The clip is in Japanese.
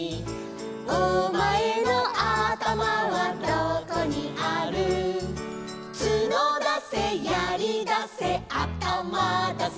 「お前のあたまはどこにある」「角だせやりだせあたまだせ」